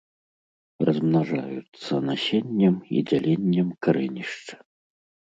Размнажаюцца насеннем і дзяленнем карэнішча.